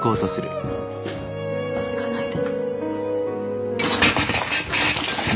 行かないで。